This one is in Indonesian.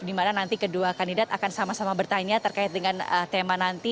di mana nanti kedua kandidat akan sama sama bertanya terkait dengan tema nanti